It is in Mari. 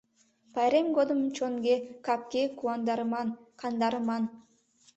Пайрем годым чонге, капге куандарыман, кандарыман.